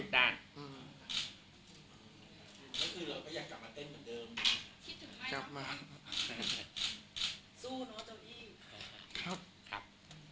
ครับ